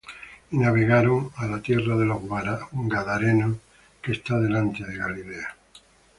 Y navegaron á la tierra de los Gadarenos, que está delante de Galilea.